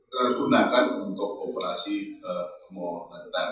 tergunakan untuk operasi moneter